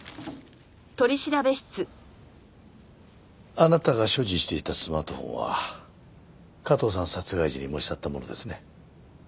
あなたが所持していたスマートフォンは加藤さん殺害時に持ち去ったものですね？